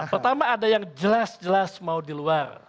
pertama ada yang jelas jelas mau di luar